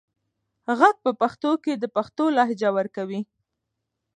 غږ په پښتو کې د پښتو لهجه ورکوي.